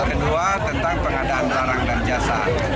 dan dua tentang pengadaan barang dan jasa